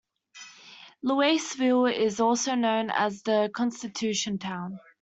Louisville is also known as the "Constitution Town".